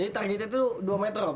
targetnya tuh dua meter om